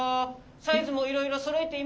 サイズもいろいろそろえています。